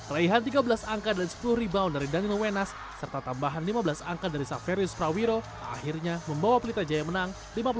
raihan tiga belas angka dan sepuluh rebound dari daniel wenas serta tambahan lima belas angka dari saverius prawiro akhirnya membawa pelita jaya menang lima puluh satu